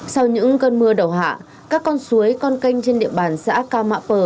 sau những cơn mưa đầu hạ các con suối con canh trên địa bàn xã cao mạ pờ